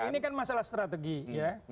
ya nah ini kan masalah strategi ya